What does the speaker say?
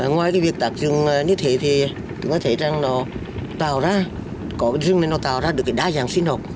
ngoài cái việc tạc rừng như thế thì chúng ta thấy rằng nó tạo ra có cái rừng này nó tạo ra được cái đa dạng sinh học